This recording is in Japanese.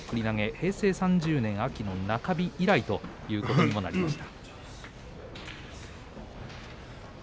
平成３０年秋の中日以来ということになりました。